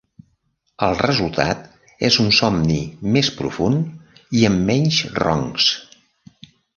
El resultat és un somni més profund i amb menys roncs.